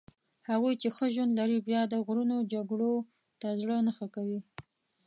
هغوی چې ښه ژوند لري بیا د غرونو جګړو ته زړه نه ښه کوي.